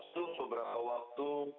di robot tersebut